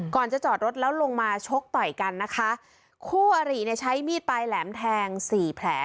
ก่อนจะจอดรถแล้วลงมาชกต่อยกันนะคะคู่อริเนี่ยใช้มีดปลายแหลมแทงสี่แผล